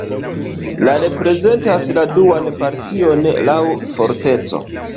La reprezentas la duan partion laŭ forteco.